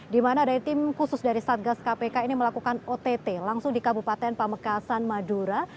di mana ada tim khusus dari satgas kpk ini melakukan ott langsung di kabupaten pamekasan madura